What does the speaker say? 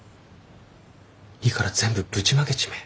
いいから全部ぶちまけちめえ。